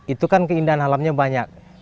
itu kan keindahan alamnya banyak